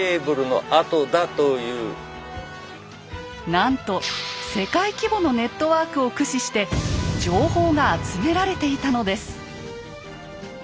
なんと世界規模のネットワークを駆使して情報が集められていたのです。